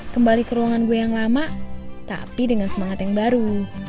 kembali ke ruangan gue yang lama tapi dengan semangat yang baru